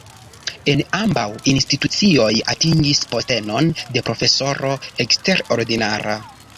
En ambaŭ institucioj atingis postenon de profesoro eksterordinara.